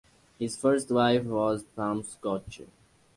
His first wife was Pam Scotcher.